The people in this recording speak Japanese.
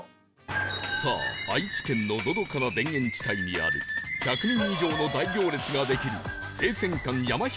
さあ愛知県ののどかな田園地帯にある１００人以上の大行列ができる生鮮館やまひ